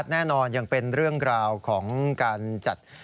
แน่นอนยังเป็นเรื่องราวของการจัด